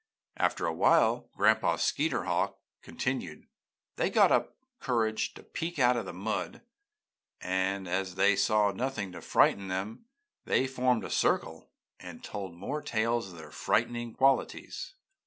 "After a while," Grand'pa Skeeterhawk continued, "They got up courage to peek out of the mud, and as they saw nothing to frighten them, they formed in a circle and told more tales of their fighting qualities.